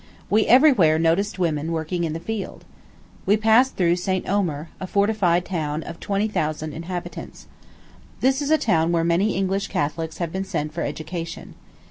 We every where noticed women working in the field. We passed through St. Omer, a fortified town, of twenty thousand inhabitants. This is a town where many English Catholics have been sent for education.